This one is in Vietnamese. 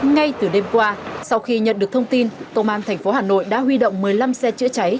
ngay từ đêm qua sau khi nhận được thông tin công an tp hà nội đã huy động một mươi năm xe chữa cháy